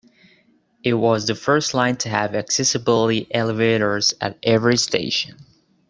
It was the first line to have accessibility elevators at every station.